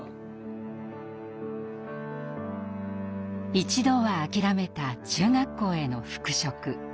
一度は諦めた中学校への復職。